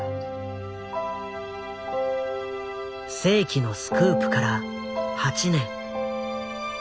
世紀のスクープから８年。